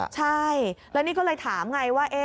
ใช่แล้วนี่ก็เลยถามไงว่า